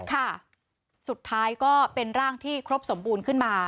ค่ะสุดท้ายก็เป็นร่างที่ครบสมบูรณ์ขึ้นมา